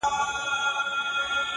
بریالی له هر میدانi را وتلی،